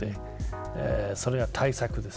それが対策です。